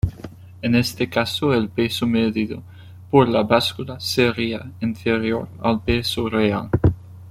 En este caso el peso medido por la báscula sería inferior al peso real.